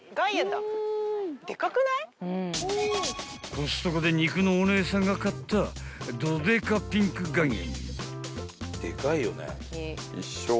［コストコで肉のお姉さんが買ったどデカピンク岩塩］